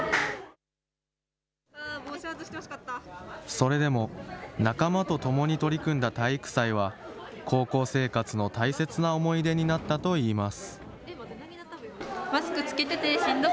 それでも仲間と共に取り組んだ体育祭は、高校生活の大切な思い出になったといいます。